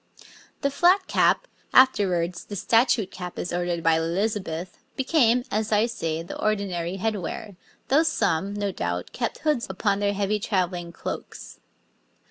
The flat cap, afterwards the statute cap as ordered by Elizabeth, became, as I say, the ordinary head wear, though some, no doubt, kept hoods upon their heavy travelling cloaks.